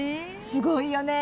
すごいよね